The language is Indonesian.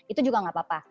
itu juga nggak apa apa